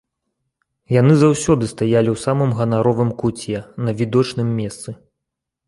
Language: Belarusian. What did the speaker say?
Яны заўсёды стаялі ў самым ганаровым куце на відочным месцы.